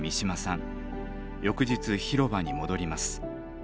翌日広場に戻ります。